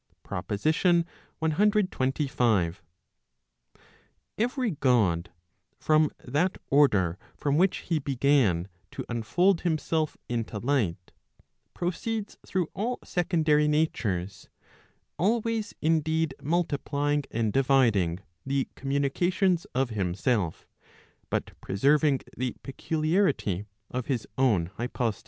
PROPOSITION CXXV. Every God, from that order from which he began to unfold himself into light, proceeds through all secondary natures, always indeed multi¬ plying and dividing ihe communications of himself, but preserving the peculiarity of his own hypostasis.